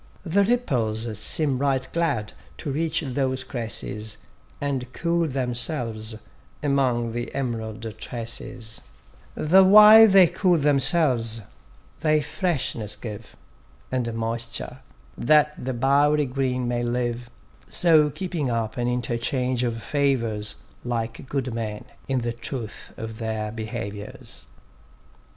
The ripples seem right glad to reach those cresses, And cool themselves among the em'rald tresses; The while they cool themselves, they freshness give, And moisture, that the bowery green may live: So keeping up an interchange of favours, Like good men in the truth of their behaviours.